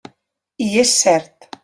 I és cert.